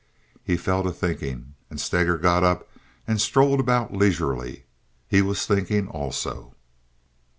He fell to thinking, and Steger got up and strolled about leisurely. He was thinking also.